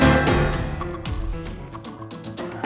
mbak maaf mbak ya